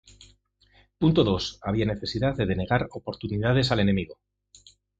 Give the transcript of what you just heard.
Punto dos: había necesidad de denegar oportunidades al enemigo.